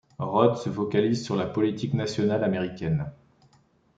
Rhodes se focalise sur la politique nationale américaine.